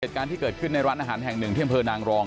เหตุการณ์ที่เกิดขึ้นในร้านอาหารแห่ง๑เที่ยมเพอร์นางรอง